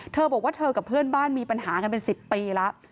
เธอบอกว่าเธอกับเพื่อนบ้านมีปัญหากันเป็น๑๐ปีแล้ว